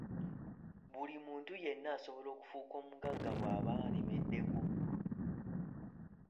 Buli muntu yenna asobola okufuuka omugagga bwaba alemeddeko.